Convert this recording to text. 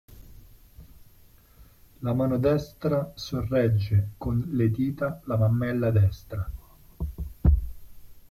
La mano destra sorregge con le dita la mammella destra.